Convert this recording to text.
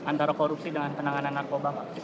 antara korupsi dengan penanganan narkoba pak